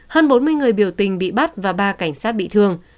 hơn bốn mươi người biểu tình bị bắt và ba cảnh sát bị thương